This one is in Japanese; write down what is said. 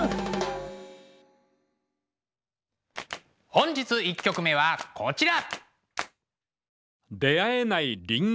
本日１曲目はこちら。